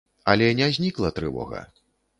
Але не знікла трывога.